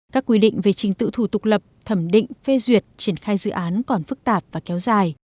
các quy định về trình tự thủ tục lập thẩm định phê duyệt triển khai dự án còn phức tạp và kéo dài